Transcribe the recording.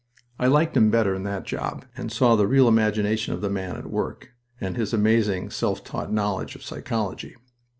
I liked him better in that job, and saw the real imagination of the man at work, and his amazing, self taught knowledge of psychology.